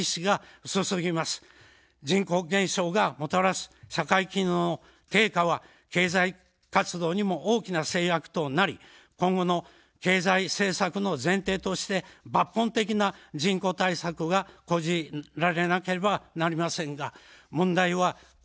人口減少がもたらす社会機能の低下は経済活動にも大きな制約となり今後の経済政策の前提として、抜本的な人口対策が講じられなければなりませんが、問題は国家百年の計、力強い政治力、指導力が